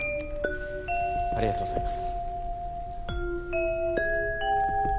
ありがとうございます。